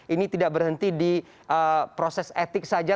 ini tidak berhenti di proses etik saja